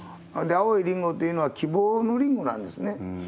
ほんで、青いりんごっていうのは希望のリンゴなんですね。